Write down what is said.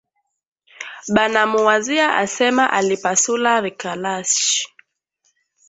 Banamuwazia asema alipasula rikalashi